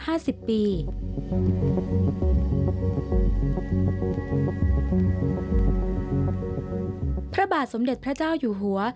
พระบาทสมเด็จพระเจ้าอยู่หัวได้พระราชทานพระบาทสมเด็จพระเจ้าอยู่หัว